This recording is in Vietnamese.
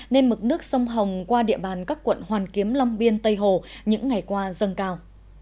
nên mực nước sông hồng qua địa bàn các quận hoàn kiếm long biên tây hồ những ngày qua dâng cao